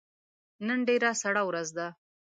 نن ډیره سړه ورځ ده